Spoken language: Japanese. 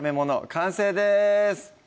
完成です